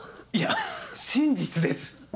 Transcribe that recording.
いや真実です！